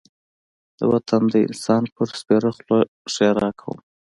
د وطن د انسان په سپېره خوله ښېرا کوم.